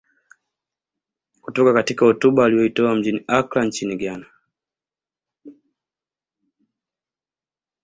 Kutoka katika hotuba aliyoitoa mjini Accra nchini Ghana